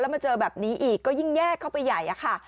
มาเจอแบบนี้อีกก็ยิ่งแยกเข้าไปใหญ่อะค่ะ